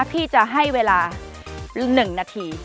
พี่จะให้เวลา๑นาที